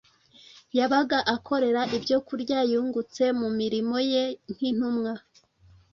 yabaga akorera ibyokurya yungutse mu mirimo ye nk’intumwa.